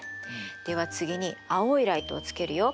では次に青いライトをつけるよ。